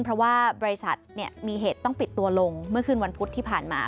เพราะว่าบริษัทมีเหตุต้องปิดตัวลงเมื่อคืนวันพุธที่ผ่านมา